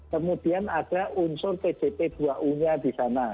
kemudian ada unsur pjp dua u nya di sana